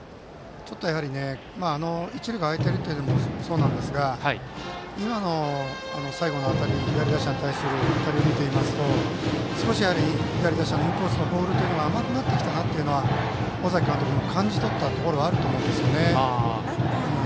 一塁が空いているのもそうなんですが今の最後の左打者に対する当たりを見ていると少し左打者へのインコースのボールが甘くなってきたなというのは尾崎監督も感じ取ったところはあると思うんですね。